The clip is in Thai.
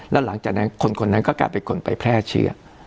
แล้วหลังจากนั้นคนนั้นก็กลายเป็นคนไปแพร่เชื้อ